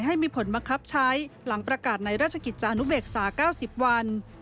ให้มีผลบังคับใช้หลังประกาศในราชกิจจานุเบกษา๙๐วัน